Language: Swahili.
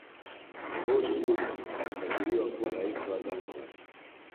abooud jumbe alichaguliwa kuwa rais wa zanzibar